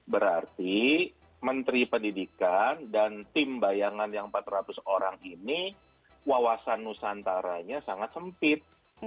berarti menteri pendidikan dan tim bayangan yang empat ratus orang ini wawasan nusantaranya sangat sempit